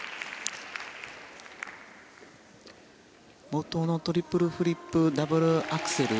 冒頭のトリプルフリップダブルアクセル